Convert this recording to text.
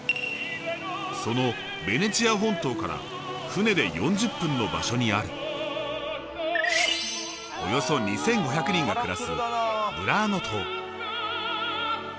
そのベネチア本島から船で４０分の場所にあるおよそ２，５００人が暮らすブラーノ島。